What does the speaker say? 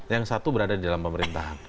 yang satu berada di dalam pemerintahan